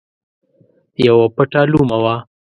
یوه پټه لومه وه.